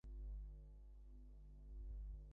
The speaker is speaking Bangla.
সুচরিতা এ কয়দিন বিশেষ করিয়া উপাসনায় মন দিয়াছিল।